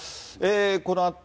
このあと、